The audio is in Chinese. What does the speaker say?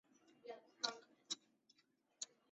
治所在牂牁县。